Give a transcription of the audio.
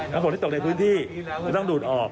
แล้วฝนที่ตกในพื้นที่ก็ต้องดูดออก